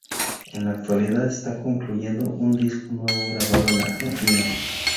En la actualidad está concluyendo un disco nuevo grabado en Argentina.